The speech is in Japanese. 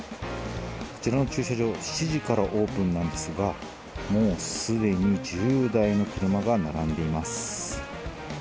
こちらの駐車場７時からオープンなんですがもうすでに１０台の車が並んでいます。